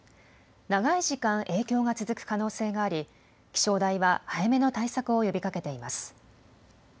長い時間影響が続く可能性があり気象台は早めの対策を呼びかけています。